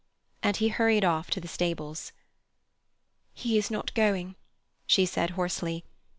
And he hurried off to the stables. "He is not going," she said hoarsely.